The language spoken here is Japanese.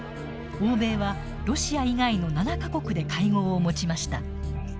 欧米はロシア以外の７か国で会合を持ちました。